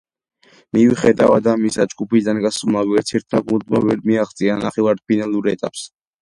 მიუხედავად ამისა, ჯგუფიდან გასულმა ვერცერთმა გუნდმა ვერ მიაღწია ნახევარფინალურ ეტაპს.